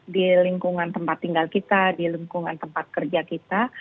di lingkungan tempat tinggal kita di lingkungan tempat kerja kita